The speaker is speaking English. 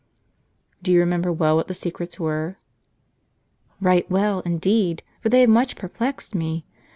" Do you remember well what the secrets were ?" "Eight well, indeed, for they have much perplexed me.